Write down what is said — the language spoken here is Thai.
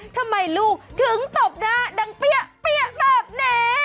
ทำไมลูกถึงตบหน้าดังเปี้ยแบบนี้